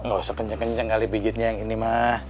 gak usah kenceng kenceng kali pijitnya yang ini mah